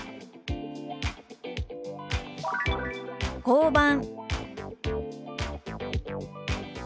「交番」。